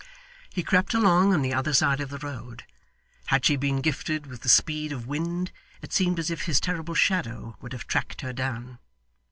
He crept along on the other side of the road. Had she been gifted with the speed of wind, it seemed as if his terrible shadow would have tracked her down.